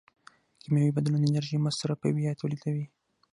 کیمیاوي بدلون انرژي مصرفوي یا تولیدوي.